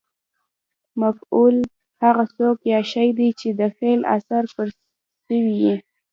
مفعول هغه څوک یا شی دئ، چي د فعل اثر پر سوی يي.